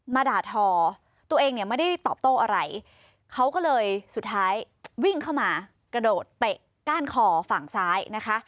ด่าทอตัวเองเนี่ยไม่ได้ตอบโต้อะไรเขาก็เลยสุดท้ายวิ่งเข้ามากระโดดเตะก้านคอฝั่งซ้ายนะคะ